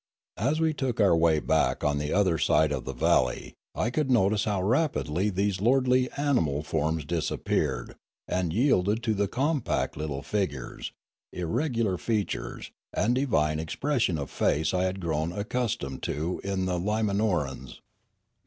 As we took our way back on the other side of the valley, I could notice how rapidly these lordly animal forms disappeared, and yielded to the compact little figures, irregular features, and divine expression of face I had grown accustomed to in the Limanorans.